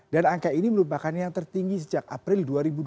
dan angka ini merupakan yang tertinggi sejak april dua ribu dua puluh